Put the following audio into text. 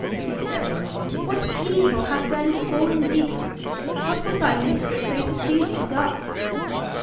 he said, 'what evil hath then befallen thee? What would thy mistress say to see thee thus?'